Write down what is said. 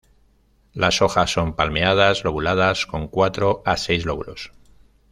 Las hojas son palmeadas lobuladas con cuatro a seis lóbulos.